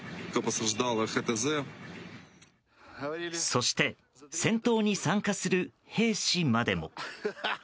そして戦闘に参加する兵士までも。